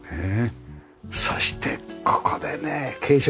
そしてここでね軽食。